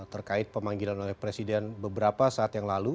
terkait pemanggilan oleh presiden beberapa saat yang lalu